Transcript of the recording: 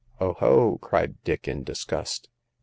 Oho !" cried Dick, in disgust.